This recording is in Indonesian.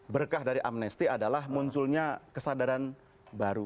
berkah dari amnesti adalah munculnya kesadaran baru